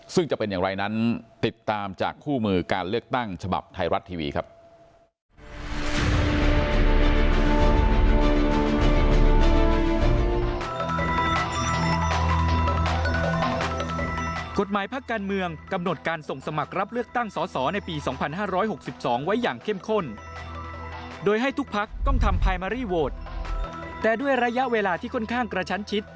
ซึ่งจะเป็นอย่างไรนั้นติดตามจากคู่มือการเลือกตั้งฉบับไทยรัฐทีวีครับ